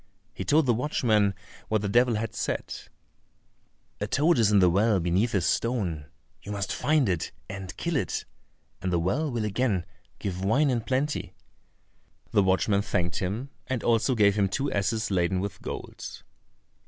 He told the watchman what the devil had said: "A toad is in the well beneath a stone; you must find it and kill it, and the well will again give wine in plenty." The watchman thanked him, and also gave him two asses laden with gold.